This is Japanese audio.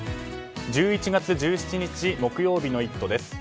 １１月１７日、木曜日の「イット！」です。